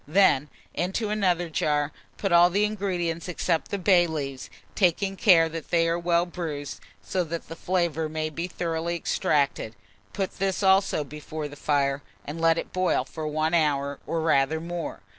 Then, into another jar, put all the ingredients except the bay leaves, taking care that they are well bruised, so that the flavour may be thoroughly extracted; put this also before the fire, and let it boil for 1 hour, or rather more.